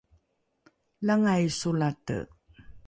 langai solate